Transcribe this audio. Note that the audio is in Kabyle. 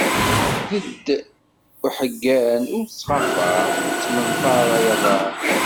Ded uḥeggan ur ttɣafaṛ, ur ttmenṭaṛ ay aḍaṛ!